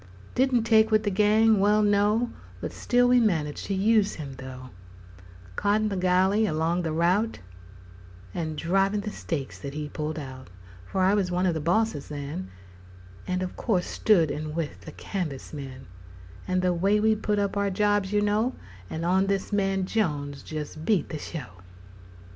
Didn't take with the gang well, no But still we managed to use him, though, Coddin' the gilley along the rout' And drivin' the stakes that he pulled out; For I was one of the bosses then And of course stood in with the canvas men And the way we put up jobs, you know, On this man Jones jes' beat the show!